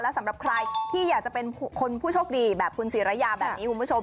สำหรับใครที่อยากจะเป็นคนผู้โชคดีแบบคุณศิรยาแบบนี้คุณผู้ชม